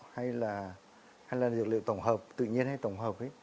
hay là dược liệu tổng hợp tự nhiên hay tổng hợp